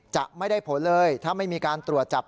จะไม่ได้ผลเลยถ้าไม่มีการตรวจจับ